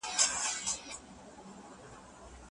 آیا ګڼ مېشته ښارونه تر لږ مېشته ښارونو شور لري؟